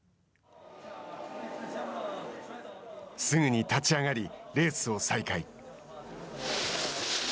すぐに立ち上がりレースを再開。